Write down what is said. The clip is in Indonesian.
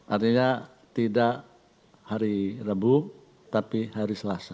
artinya tidak hari rabu tapi hari selasa